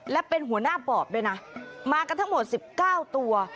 และเป็นหัวหน้าบอบด้วยนะมากันทั้งหมด๑๙ตัว